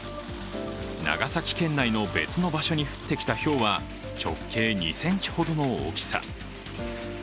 長崎県内の別の場所に降ってきたひょうは直径２ｃｍほどの大きさ。